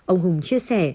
ông hùng chia sẻ